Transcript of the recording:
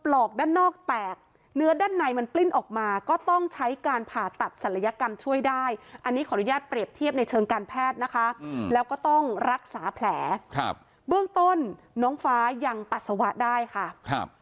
แล้วก็ต้องรักษาแผลครับเบื้องต้นน้องฟ้ายังปัสสาวะได้ค่ะครับ